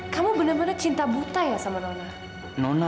kamu benar benar cinta buta ya sama nona